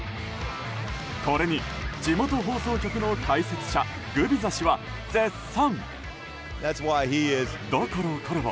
これに、地元放送局の解説者グビザ氏は絶賛！